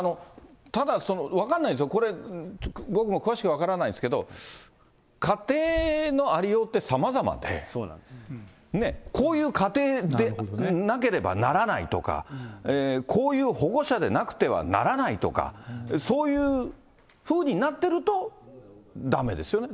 ただ、分かんないですよ、これ、僕も詳しく分からないですけど、家庭のありようってさまざまで、こういう家庭でなければならないとか、こういう保護者でなくてはならないとか、そういうふうになってると、だめですよね。